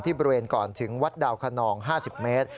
บริเวณก่อนถึงวัดดาวคนนอง๕๐เมตร